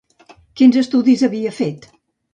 Quins estudis havia fet?